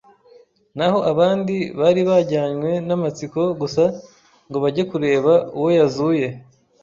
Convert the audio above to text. naho abandi bari bajyanywe n'amatsiko gusa ngo bajye kureba uwo yazuye.